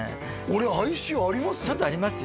俺哀愁あります？